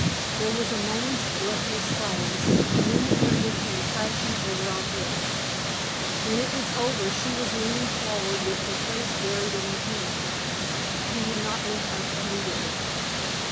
There was a moment's breathless silence, and then the thunder came crashing over our heads. When it was over she was leaning forward with her face buried in her hands. She did not look up immediately.